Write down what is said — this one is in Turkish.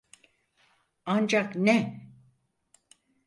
Ancak ne?